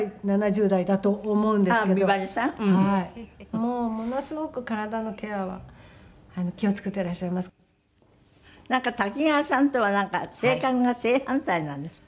「もうものすごく体のケアは気を付けてらっしゃいます」なんか多岐川さんとは性格が正反対なんですって？